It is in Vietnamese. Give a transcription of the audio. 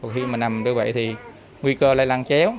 khi mà nằm như vậy thì nguy cơ lây lan chéo